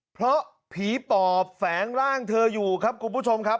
เพราะผีปอบแฝงร่างเธออยู่ครับคุณผู้ชมครับ